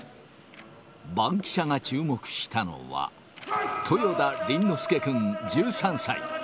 バンキシャが注目したのは、豊田倫之亮君１３歳。